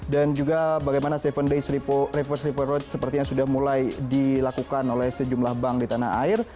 dan juga bagaimana tujuh days reverse repo rate sepertinya sudah mulai dilakukan oleh sejumlah bank di tanah air